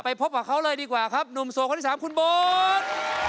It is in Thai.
พบกับเขาเลยดีกว่าครับหนุ่มโสดคนที่สามคุณโบ๊ท